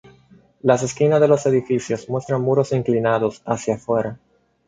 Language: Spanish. Las esquinas de los edificios muestran muros inclinados hacia fuera.